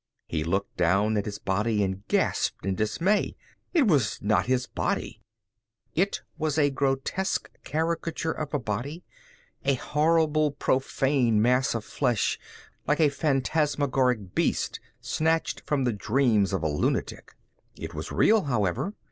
He looked down at his body and gasped in dismay. It was not his body! It was a grotesque caricature of a body, a horrible profane mass of flesh, like a phantasmagoric beast snatched from the dreams of a lunatic. It was real, however.